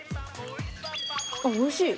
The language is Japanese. おいしい！